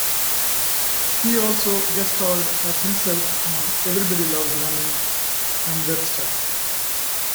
He also guest starred as himself on "Everybody Loves Raymond" and "Webster".